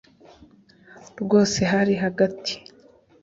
rwose hari hagati